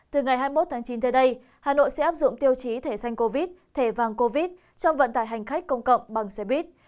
từ ngày hai mươi một tháng chín tới đây hà nội sẽ áp dụng tiêu chí thẻ xanh covid thể vàng covid trong vận tải hành khách công cộng bằng xe buýt